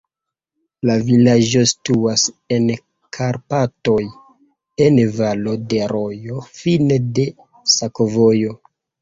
La vilaĝo situas en Karpatoj en valo de rojo, fine de sakovojo.